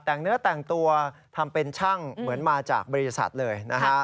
แต่งเนื้อแต่งตัวทำเป็นช่างเหมือนมาจากบริษัทเลยนะฮะ